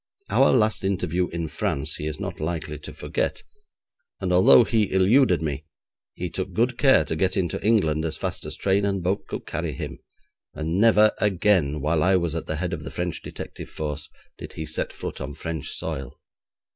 Our last interview in France he is not likely to forget, and although he eluded me, he took good care to get into England as fast as train and boat could carry him, and never again, while I was at the head of the French detective force, did he set foot on French soil.